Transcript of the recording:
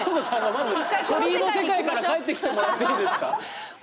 まず鳥居の世界から帰ってきてもらっていいですか？